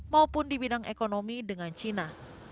maupun di bidang ekonomi dengan cina